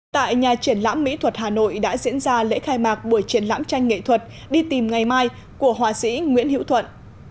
tại nhà triển lãm mỹ thuật hà nội đã diễn ra lễ khai mạc buổi triển lãm tranh nghệ thuật đi tìm ngày mai của họa sĩ nguyễn hiễu thuận